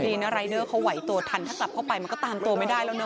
รายเดอร์เขาไหวตัวทันถ้ากลับเข้าไปมันก็ตามตัวไม่ได้แล้วนะ